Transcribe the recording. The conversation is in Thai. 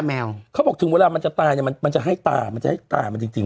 แมวเขาบอกถึงเวลามันจะตายเนี้ยมันมันจะให้ตามันจะให้ตามันจริงจริง